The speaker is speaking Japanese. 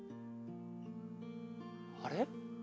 あれ？